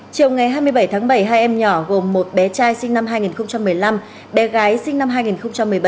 chiều ngày hai mươi bảy tháng bảy hai em nhỏ gồm một bé trai sinh năm hai nghìn một mươi năm bé gái sinh năm hai nghìn một mươi bảy